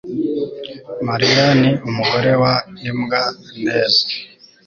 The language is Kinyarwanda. mariya ni umugore wa imbwa neza